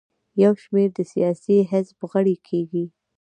یو شمېر د سیاسي حزب غړي کیږي.